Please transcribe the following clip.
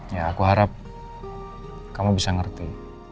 ya aku harap kamu bisa ngerti